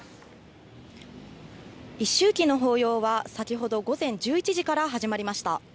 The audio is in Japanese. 一周忌の法要は先ほど午前１１時から始まりました。